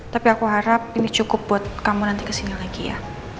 tapi aku harap ini cukup buat kamu nanti kesini lagi ya